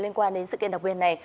liên quan đến sự kiện đặc biệt này